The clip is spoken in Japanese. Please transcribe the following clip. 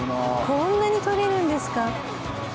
こんなにとれるんですか？